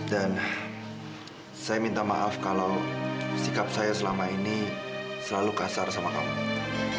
dan saya minta maaf kalau sikap saya selama ini selalu kasar sama kamu